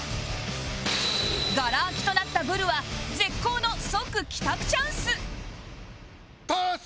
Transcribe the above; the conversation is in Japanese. がら空きとなったブルは絶好の即帰宅チャンス通す！